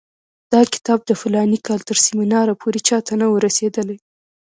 دا کتاب د فلاني کال تر سیمینار پورې چا ته نه وو رسېدلی.